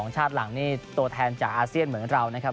ชาติหลังนี่ตัวแทนจากอาเซียนเหมือนเรานะครับ